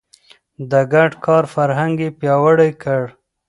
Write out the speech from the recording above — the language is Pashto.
د ګډ کار فرهنګ يې پياوړی کړ.